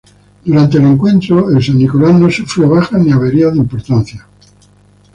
Durante el encuentro el "San Nicolás" no sufrió bajas ni averías de importancia.